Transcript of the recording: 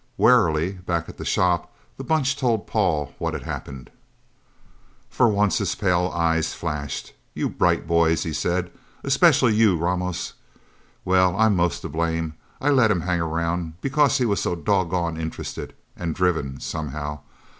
Warily, back at the shop, the Bunch told Paul what had happened. For once his pale eyes flashed. "You Bright Boys," he said. "Especially you, Ramos...! Well, I'm most to blame. I let him hang around, because he was so doggone interested. And driven somehow.